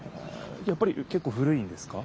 やっぱりけっこう古いんですか？